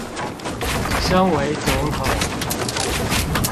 身為總統